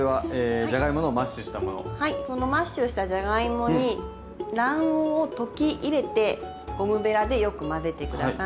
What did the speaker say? そのマッシュしたじゃがいもに卵黄を溶き入れてゴムべらでよく混ぜて下さい。